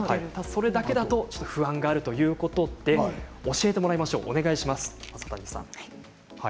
それだけだと不安があるということで教えていただきます。